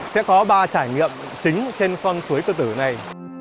sẽ có ba trải nghiệm chính trên con suối cửa tử này